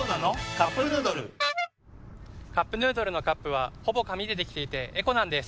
「カップヌードル」「カップヌードル」のカップはほぼ紙でできていてエコなんです。